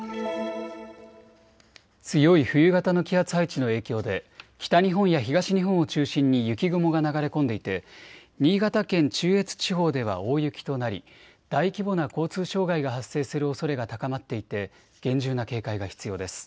強い冬型の気圧配置の影響で北日本や東日本を中心に雪雲が流れ込んでいて新潟県中越地方では大雪となり大規模な交通障害が発生するおそれが高まっていて厳重な警戒が必要です。